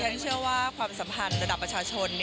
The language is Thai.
ฉันเชื่อว่าความสัมพันธ์ระดับประชาชน